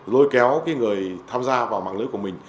lôi kéo người tham gia vào mạng lưới của mình